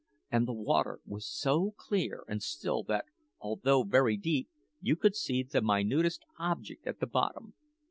And the water was so clear and still that, although very deep, you could see the minutest object at the bottom.